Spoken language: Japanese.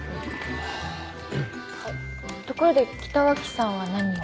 ところで北脇さんは何を？